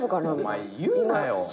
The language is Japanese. お前言うなよ。